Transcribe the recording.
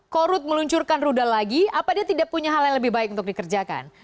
korut meluncurkan rudal lagi apa dia tidak punya hal yang lebih baik untuk dikerjakan